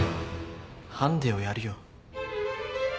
ハンデをやるよ。